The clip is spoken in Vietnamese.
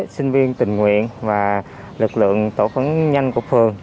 sinh viên tình nguyện và lực lượng tổ phản ứng nhanh của phường